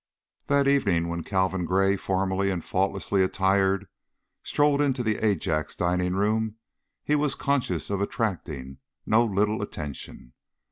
That evening, when Calvin Gray, formally and faultlessly attired, strolled into the Ajax dining room he was conscious of attracting no little attention.